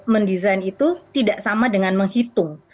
mendesain itu tidak sama dengan menghitung